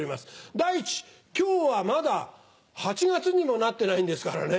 第一今日はまだ８月にもなってないんですからね。